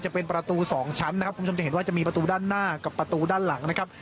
จะเป็นประตูสองชั้นนะครับคุณผู้ชมจะเห็นว่าจะมีประตูด้านหน้ากับประตูด้านหลังนะครับ